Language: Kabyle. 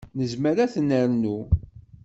Nezmer ad ten-nernu.